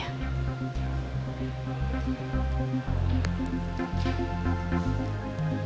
aku buktiin deh